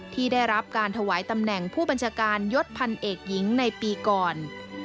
ที่ได้รับการถวายตำแหน่งผู้บัญชาการยศพันเอกหญิงในปีก่อน